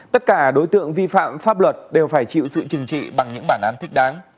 tất cả đối tượng vi phạm pháp luật đều phải chịu sự chừng trị bằng những bản án thích đáng